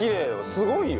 すごいよ。